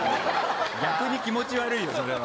逆に気持ち悪いよ、それは。